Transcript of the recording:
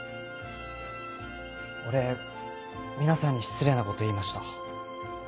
俺皆さんに失礼なこと言いました。